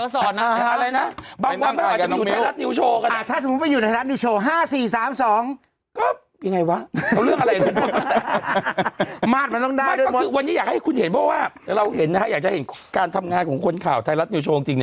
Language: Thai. สกริปก็เป็นอย่างงี้แล้วก็วางว่าแล้วคุณกลับมาที่ข่าวแสดง